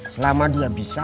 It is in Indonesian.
selama dia bisa